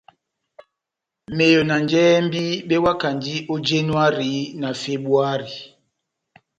Meyo na njɛhɛmbi bewakandi ó Yanuhari na Febuwari.